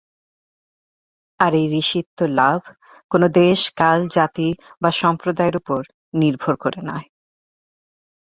আর এই ঋষিত্বলাভ কোন দেশ কাল জাতি বা সম্প্রদায়ের উপর নির্ভর করে না।